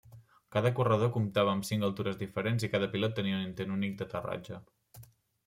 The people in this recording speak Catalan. Cada corredor comptava amb cinc altures diferents i cada pilot tenia un intent únic d'aterratge.